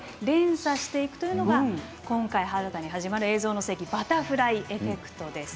連鎖していくというのが今回、新たに始まる「映像の世紀バタフライエフェクト」。